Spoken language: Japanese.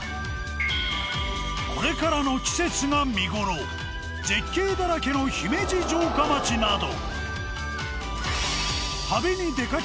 これからの季節が見頃絶景だらけの姫路城下町など。